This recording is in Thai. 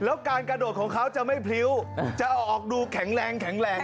แล้วการกระโดดของเขาจะไม่พริ้วจะออกดูแข็งแรงแข็งแรง